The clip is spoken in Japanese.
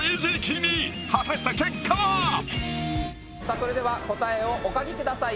それでは答えをお書きください